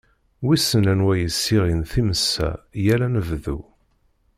Wissen anwa yessiɣin times-a yal anebdu!